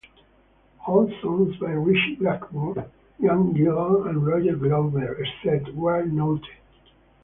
All songs by Ritchie Blackmore, Ian Gillan and Roger Glover except where noted.